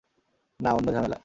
না, অন্য ঝামেলা।